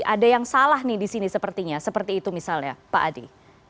ada yang salah nih di sini sepertinya seperti itu misalnya pak adi